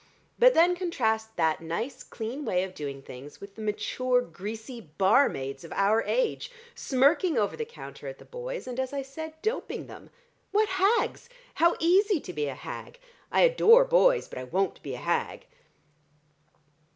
But then contrast that nice, clean way of doing things with the mature, greasy barmaids of our age, smirking over the counter at the boys, and, as I said, doping them. What hags! How easy to be a hag! I adore boys, but I won't be a hag."